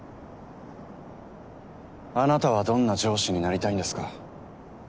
あなたはどんな上司になりたいんですか？